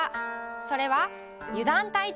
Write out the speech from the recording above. それは「油断大敵」。